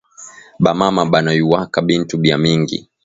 Ba mama banayuwaka bintu bya mingi